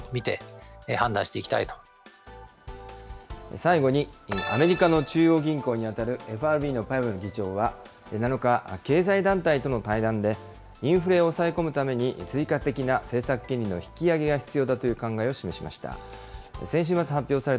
最後に、アメリカの中央銀行に当たるＦＲＢのパウエル議長は、７日、経済団体との対談で、インフレを抑え込むために、追加的な政策金利の引き上げが必要だという考えを示しました。